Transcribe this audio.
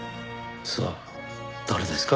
さあ誰ですか？